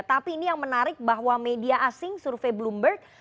tapi ini yang menarik bahwa media asing survei bloomberg